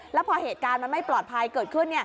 แล้วพอเหตุการณ์มันไม่ปลอดภัยเกิดขึ้น